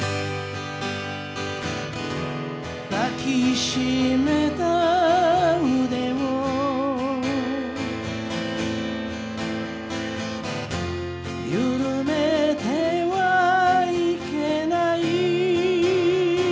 「抱きしめた腕をゆるめてはいけない」